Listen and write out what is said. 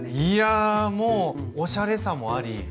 いやもうおしゃれさもあり。